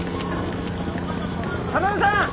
真田さん！